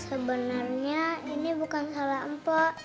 sebenernya ini bukan salah mpok